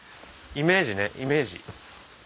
イメージねイメージ。